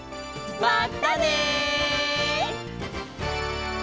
まったね！